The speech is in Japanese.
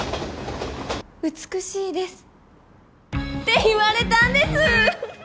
「美しいです」って言われたんですフフッ。